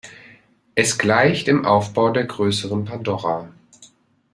Es gleicht im Aufbau der größeren Pandora.